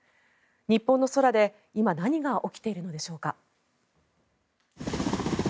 日本の空で今何が起きているのでしょうか。